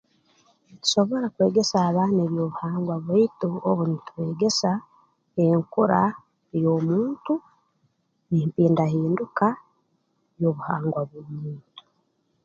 Ntusobora kwegesa abaana eby'obuhangwa bwaitu obu nutubeegesa enkura ey'omuntu n'empindahinduka y'obuhangwa bw'omuntu